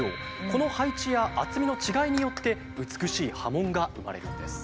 この配置や厚みの違いによって美しい刃文が生まれるんです。